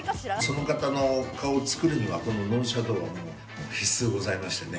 その方のお顔を作るにはノーズシャドーは必須でございますね。